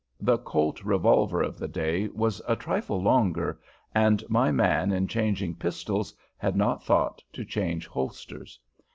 The Colt revolver of the day was a trifle longer, and my man in changing pistols had not thought to change holsters.